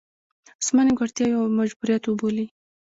زما نیمګړتیاوې یو مجبوریت وبولي.